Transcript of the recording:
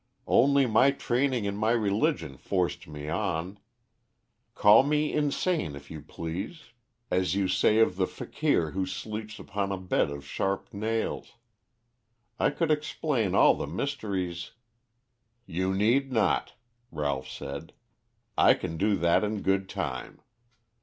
Only my training and my religion forced me on. Call me insane if you please, as you say of the fakir who sleeps upon a bed of sharp nails. I could explain all the mysteries " "You need not," Ralph said. "I can do that in good time.